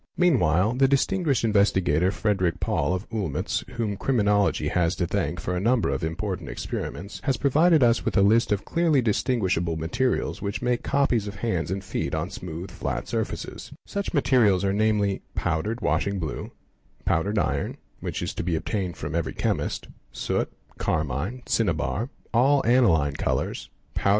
Meanwhile the distinguished investigator Frederick Paul of Olmutz®®, whom Criminology has to thank for a number of important experiments, has provided us with a list of clearly distinguishable materials which make copies of hands and feet on smooth, flat surfaces", Such materials are, namely, powdered washing blue, powdered iron (which is to be obtained from every chemist), soot, carmine, cinnabar, all aniline colours, powdered 7 ae bh Lik S.